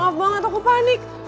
maaf banget aku panik